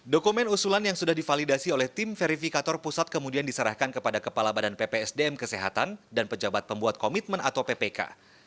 dokumen usulan yang sudah divalidasi oleh tim verifikator pusat kemudian diserahkan kepada kepala badan ppsdm kesehatan dan pejabat pembuat komitmen atau ppk